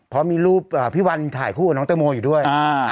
เขามีรูปอ่าพี่วันถ่ายคู่กับน้องเต้มโมอยู่ด้วยอ่า